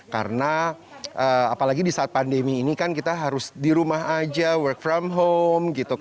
karena apalagi di saat pandemi ini kan kita harus di rumah aja work from home gitu